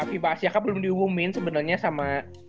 vibahasiaka belum diumumin sebenernya sama